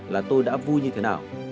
là tôi đã vui như thế nào